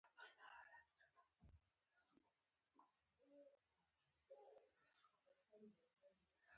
هرې ښځې ته چې ستا په شاوخوا کې کار کوي.